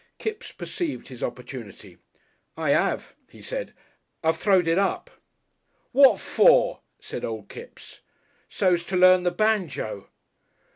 Kipps perceived his opportunity. "I 'ave," he said; "I've throwed it up." "What for?" said Old Kipps. "So's to learn the banjo!"